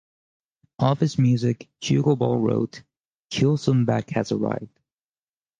Of his music, Hugo Ball wrote, Huelsenbeck has arrived.